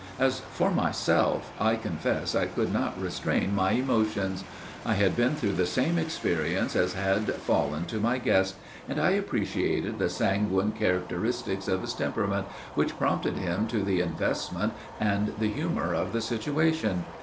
As for myself, I confess I could not restrain my emotions. I had been through the same experience as had fallen to my guest, and I appreciated the sanguine characteristics of his temperament, which prompted him to the investment, and the humor of the situation.